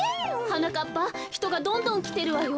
はなかっぱひとがどんどんきてるわよ。